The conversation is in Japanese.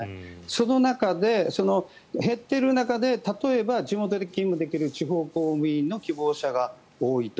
その中で、減っている中で例えば地元で勤務できる地方公務員の希望者が多いと。